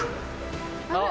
・あっ。